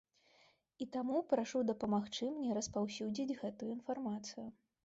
І таму прашу дапамагчы мне распаўсюдзіць гэтую інфармацыю.